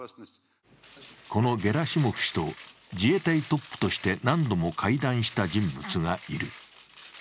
このゲラシモフ氏と自衛隊トップとして何度も会談した人物がいる。